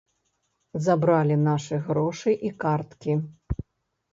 Забралі нашы грошы і карткі.